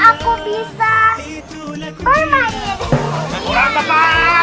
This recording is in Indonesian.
aku senang belajar di kelantan karena aku bisa bermain